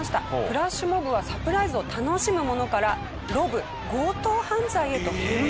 フラッシュモブはサプライズを楽しむものからロブ強盗犯罪へと変貌しています。